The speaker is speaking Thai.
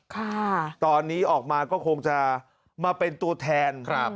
ค่ะตอนนี้ออกมาก็คงจะมาเป็นตัวแทนครับ